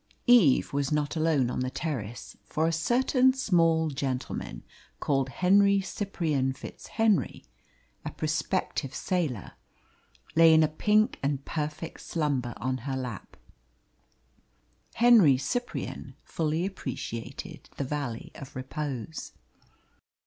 Eve was not alone on the terrace, for a certain small gentleman, called Henry Cyprian FitzHenry, a prospective sailor, lay in a pink and perfect slumber on her lap. Henry Cyprian fully appreciated the valley of repose.